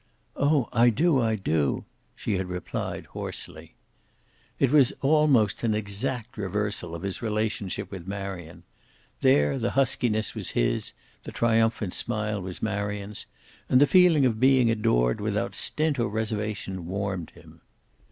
"Oh, I do, I do!" she had replied, hoarsely. It was almost an exact reversal of his relationship with Marion. There the huskiness was his, the triumphant smile was Marion's. And the feeling of being adored without stint or reservation warmed him.